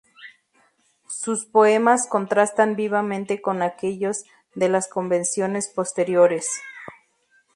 Sus poemas contrastan vivamente con aquellos de las convenciones posteriores.